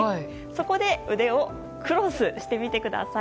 そこで腕をクロスしてみてください。